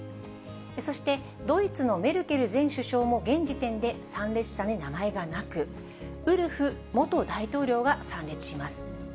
そしてドイツのメルケル全種集も現時点で参列者に名前がなく、ウルフ元大統領が参列します。